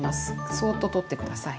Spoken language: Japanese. そっと取って下さい。